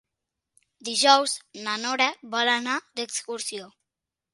Dijous na Nora vol anar d'excursió.